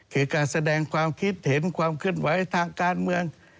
แค่การแสดงความคิดเห็นความขึ้นไว้ทางการเมือง